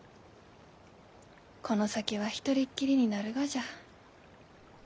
この先は一人っきりになるがじゃ。